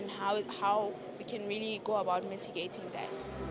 dan bagaimana kita dapat memindahkannya